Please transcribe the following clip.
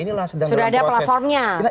sudah ada platformnya